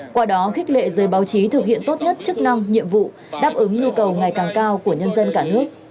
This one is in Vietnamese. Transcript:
qua đó khích lệ giới báo chí thực hiện tốt nhất chức năng nhiệm vụ đáp ứng nhu cầu ngày càng cao của nhân dân cả nước